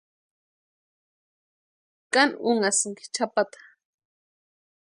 ¿Káni únhasïnki chʼapata?